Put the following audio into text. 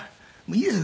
「いいです。